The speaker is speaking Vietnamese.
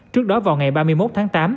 trước đó vào ngày ba mươi một tháng tám